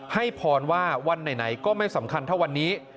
ให้พรว่าวันไหนก็ไม่สำคัญเท่าวันนี้